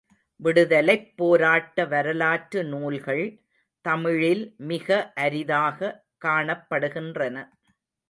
விடுதலைப் போராட்ட வரலாற்று நூல்கள் தமிழில் மிக அரிதாக காணப்படுகின்றன.